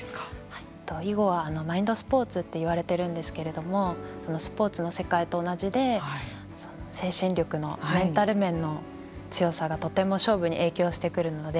囲碁はマインドスポーツと言われているんですけれどもスポーツの世界と同じで精神力のメンタル面の強さがとても勝負に影響してくるので。